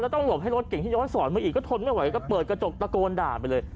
ต้องหลบให้รถเก่งที่ย้อนสอนมาอีกก็ทนไม่ไหวก็เปิดกระจกตะโกนด่าไปเลย